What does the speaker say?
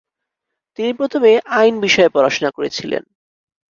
তিনি প্রথমে আইন বিষয়ে পড়াশোনা করেছিলেন।